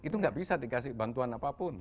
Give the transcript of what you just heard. itu nggak bisa dikasih bantuan apapun